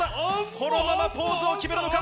このままポーズを決めるのか？